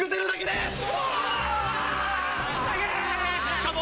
しかも。